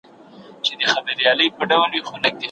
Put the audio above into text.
هغه په ډېرې خندا سره ځواب ورکړ.